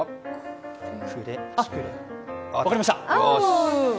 分かりました！